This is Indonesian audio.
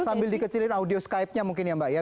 sambil dikecilin audio skypenya mungkin ya mbak ya